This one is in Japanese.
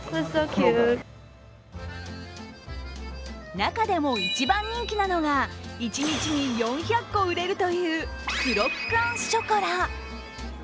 中でも１番人気なのが１日に４００個売れるというクロッカンショコラ。